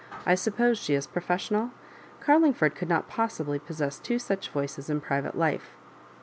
"I suppose she is professional Carlingford could not possibly possess two such voices in private life."